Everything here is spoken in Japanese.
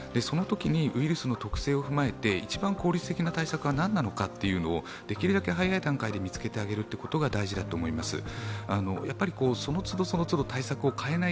そのときにウイルスの特性を踏まえて一番効率的な対策はなんなのかというのをできるだけ早い段階で見つけてあげるということが大事だと思います。